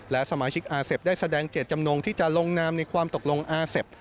และสมาชิกอาเซฟได้แสดงเจตจำนงที่จะลงนามในความตกลงอาเซฟ